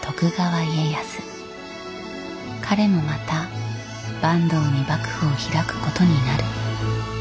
彼もまた坂東に幕府を開くことになる。